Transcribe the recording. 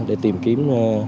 để tìm kiếm